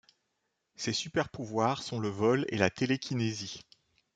Ses super-pouvoirs sont le vol et la télékinésie.